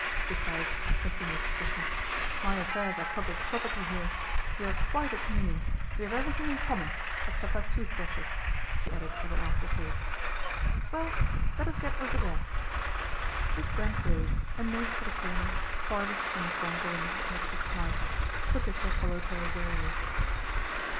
Besides," continued Patricia, " my affairs are public property here. We are quite a com mune. We have everything in common ex cept our toothbrushes," she added as an after; thought. 14 Well ! Let us get over there." Miss Brent rose and made for the corner 242 PATRICIA BRENT, SPINSTER farthest from Miss Wangle and Mrs. Mosscrop Smythe. Patricia followed her wearily.